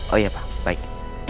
oh iya pak baik